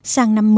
sáng năm mới